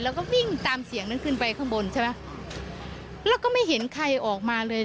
แล้วก็วิ่งตามเสียงนั้นขึ้นไปข้างบนใช่ไหมแล้วก็ไม่เห็นใครออกมาเลย